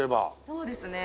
そうですね。